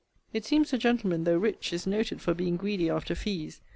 It seems the gentleman, though rich, is noted for being greedy after fees!